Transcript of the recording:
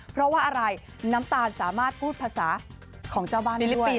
เพราะว่าอะไรน้ำตาลสามารถพูดภาษาของเจ้าบ้านได้หรือเปล่า